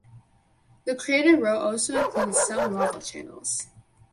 The crater row also includes some lava channels.